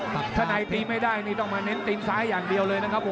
ถ้าไหนตีไม่ได้ต้องมาเน้นติมซ้ายังเดียวเลยนะครับหมอ